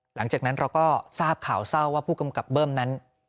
หลังจากนั้นเราก็ทราบข่าวเศร้าว่าผู้กำกับเบิ้มนั้น